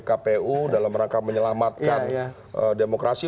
buat pkpu dalam rangka menyelamatkan demokrasi